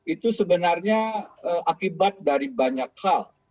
itu sebenarnya akibat dari banyak hal